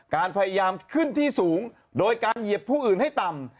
การพยายามขึ้นที่สูงโดยการเหยียบผู้อื่นให้ต่ำ